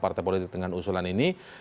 partai politik dengan usulan ini